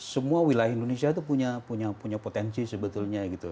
semua wilayah indonesia itu punya potensi sebetulnya gitu